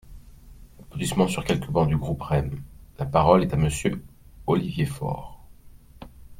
(Applaudissements sur quelques bancs du groupe REM.) La parole est à Monsieur Olivier Faure.